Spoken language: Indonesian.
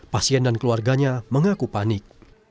pasien dan keluarganya mengaku panik